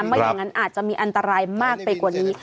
ไม่อย่างนั้นอาจจะมีอันตรายมากไปกว่านี้